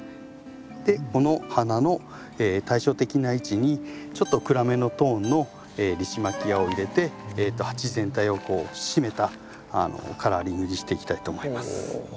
この花の対称的な位置にちょっと暗めのトーンのリシマキアを入れて鉢全体を締めたカラーリングにしていきたいと思います。